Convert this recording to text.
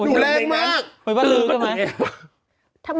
อุ๊ยหุ่นแรงมาก